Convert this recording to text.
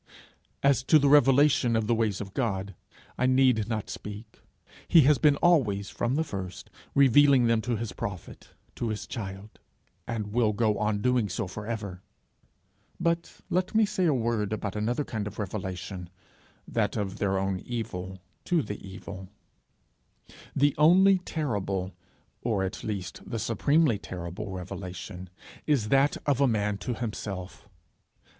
As to the revelation of the ways of God, I need not speak; he has been always, from the first, revealing them to his prophet, to his child, and will go on doing so for ever. But let me say a word about another kind of revelation that of their own evil to the evil. The only terrible, or at least the supremely terrible revelation is that of a man to himself.